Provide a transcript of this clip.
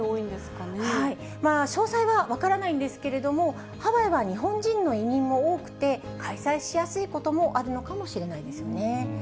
詳細は分からないんですけれども、ハワイは日本人の移民も多くて、開催しやすいこともあるのかもしれないですよね。